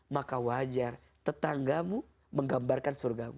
maka wajar tetanggamu menggambarkan surgamu